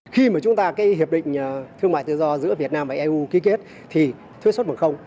khi mà chúng ta cái hiệp định thương mại tự do giữa việt nam và eu ký kết thì thuế xuất bằng không